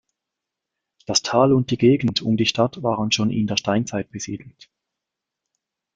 Das Tal und die Gegend um die Stadt waren schon in der Steinzeit besiedelt.